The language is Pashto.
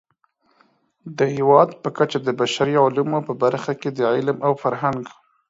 د هېواد په کچه د بشري علومو په برخه کې د علم او فرهنګ